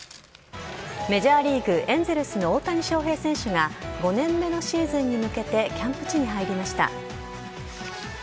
メジャーリーグ・エンゼルスの大谷翔平選手が、５年目のシーズンに向けてキャンプ地に入りました。